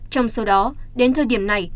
trong số đó đến thời điểm này